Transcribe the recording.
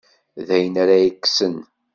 D ayen ara yekksen?